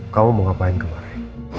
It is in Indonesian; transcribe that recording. kamu mau ngapain kemarin